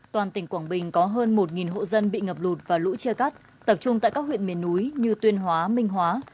toàn tỉnh quảng bình có hơn một hộ dân bị ngập lụt và lũ chia cắt tập trung tại các huyện miền núi như tuyên hóa minh hóa